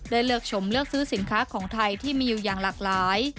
เลือกชมเลือกซื้อสินค้าของไทยที่มีอยู่อย่างหลากหลาย